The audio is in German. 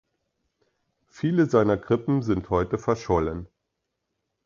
Viele seiner Krippen sind heute verschollen.